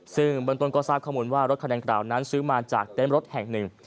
ซึ่งเบื้องต้นก็ทราบข้อมูลว่ารถคันดังกล่าวนั้นซื้อมาจากเต้นรถแห่งหนึ่ง